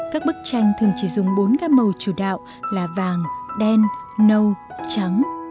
các bức tranh thường chỉ dùng bốn các màu chủ đạo là vàng đen nâu trắng